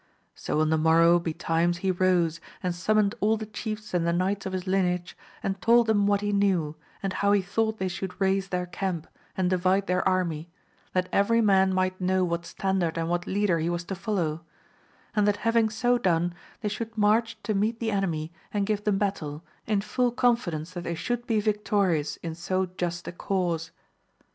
So on the morrow betimes he rose and summoned all the chiefs and the knights of his lineage, and told them what he knew, and how he thought they should raise their camp, and divide their army, that every man might know what standard and what leader he was to follow j and that having so done they should march to meet the enemy and give them battle, in full con fidence that they should be victorious in so just a cause.